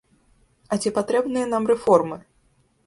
А ці патрэбныя нам рэформы?